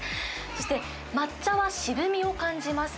そして、抹茶は渋みを感じます。